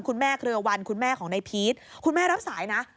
คุณแม่เกลือวันคุณแม่ของในพีชคุณแม่รับสายนะ